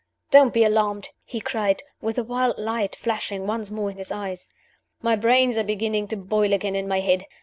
Don't be alarmed!" he cried, with the wild light flashing once more in his eyes. "My brains are beginning to boil again in my head.